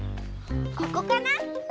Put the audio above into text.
ここかな？